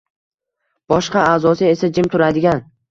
boshqa a’zosi esa jim turadigan